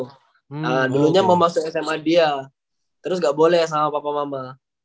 nah dulunya mau masuk sma dia terus gak boleh sama papa mama